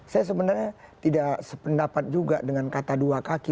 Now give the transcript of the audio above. saya sebenarnya tidak sependapat juga dengan kata dua kaki